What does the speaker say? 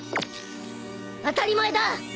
当たり前だ！